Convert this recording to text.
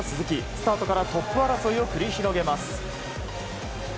スタートからトップ争いを繰り広げます。